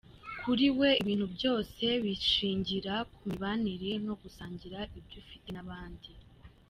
Kuri we, ibintu byose bishingira ku mibanire no gusangira ibyo ufite n’abandi.